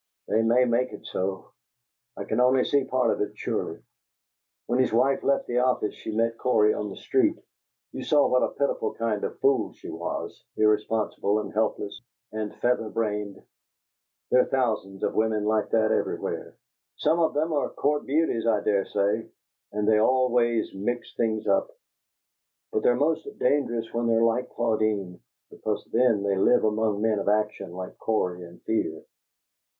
"They may make it so. I can only see part of it surely. When his wife left the office, she met Cory on the street. You saw what a pitiful kind of fool she was, irresponsible and helpless and feather brained. There are thousands of women like that everywhere some of them are 'Court Beauties,' I dare say and they always mix things up; but they are most dangerous when they're like Claudine, because then they live among men of action like Cory and Fear.